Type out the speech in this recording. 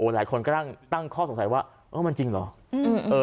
หลายคนก็ตั้งข้อสงสัยว่าเออมันจริงเหรอ